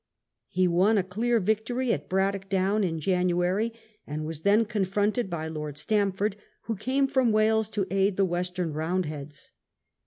He won a clear victory at Bradock Down in January, and was then confronted by Lord Stamford, who came from Wales to aid the Western Roundheads.